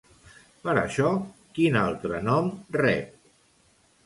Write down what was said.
Per això, quin altre nom rep?